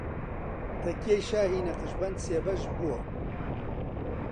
تەکیەی شاهی نەقشبەند سێ بەش بووە